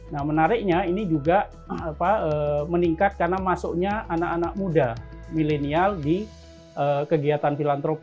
nah menariknya ini juga meningkat karena masuknya anak anak muda milenial di kegiatan filantropi